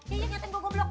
iya ngerti gua goblok